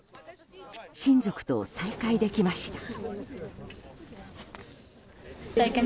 親族と再会できました。